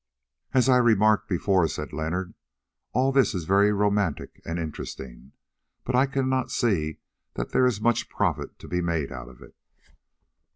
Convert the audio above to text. "As I remarked before," said Leonard, "all this is very romantic and interesting, but I cannot see that there is much profit to be made out of it."